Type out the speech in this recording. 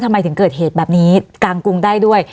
ทำไมถึงเกิดเหตุแบบนี้กลางกรุงได้ด้วย